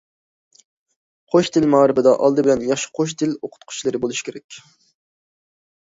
قوش تىل مائارىپىدا ئالدى بىلەن ياخشى قوش تىل ئوقۇتقۇچىلىرى بولۇشى كېرەك.